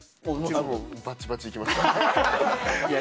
バッチバチいきました。